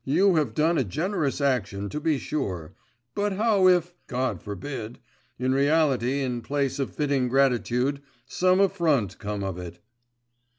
You have done a generous action; to be sure, but how if God forbid in reality in place of fitting gratitude, some affront come of it?